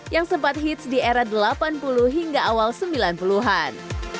yang sempat hits di era delapan puluh hingga awal sembilan puluh an